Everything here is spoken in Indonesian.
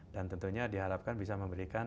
dan tentunya diharapkan bisa memberikan